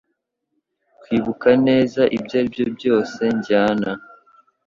Kwibuka neza Ibyo aribyo byose njyana